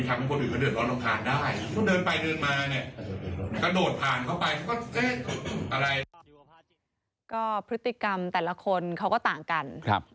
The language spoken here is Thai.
ก็พฤติกรรมแต่ละคนเขาก็ต่างกัน